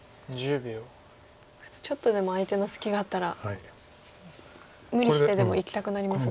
ちょっとでも相手の隙があったら無理してでもいきたくなりますが。